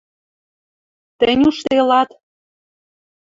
Тӹнь ужделат